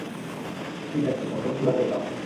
ঠিক আছে, তাদের ঝুলাতে দাও।